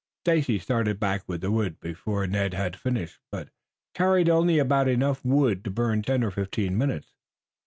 Stacy started back with the wood before Ned had finished, but carried only about enough wood to burn ten or fifteen minutes.